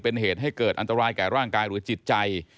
เป็นเหตุให้เกิดอันตรายแก่ร่างกายหรือจิตใจ